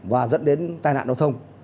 và dẫn đến tai nạn đồng thông